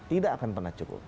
tidak akan pernah cukup